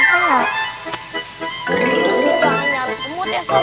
kamu nyari semut ya sobong